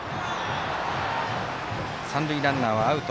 三塁ランナーはアウト。